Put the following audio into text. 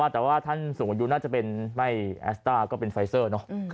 แต่ว่าท่านสูงอายุน่าจะเป็นไม่แอสต้าก็เป็นไฟเซอร์เนอะ